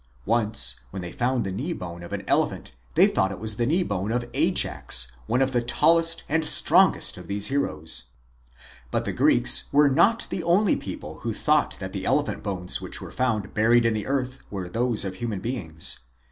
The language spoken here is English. Once when they found the knee bone of an elephant they thought it was the knee bone of Ajax, one of the tallest and strongest of these heroes. But the Greeks were not the only people who thought that the elephant bones which were found buried in the earth were those of human beings.